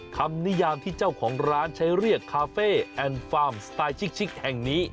นิยามที่เจ้าของร้านใช้เรียกคาเฟ่แอนด์ฟาร์มสไตล์ชิคแห่งนี้